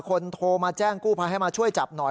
โทรมาแจ้งกู้ภัยให้มาช่วยจับหน่อย